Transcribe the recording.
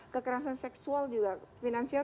kekerasan seksual juga finansial